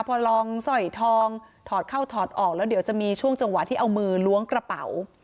พอลองสร้อยทองถอดเข้าถอดออกแล้วเดี๋ยวจะมีช่วงจังหวะที่เอามือล้วงกระเป๋า